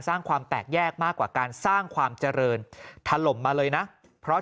สร้างความแตกแยกมากกว่าการสร้างความเจริญถล่มมาเลยนะเพราะ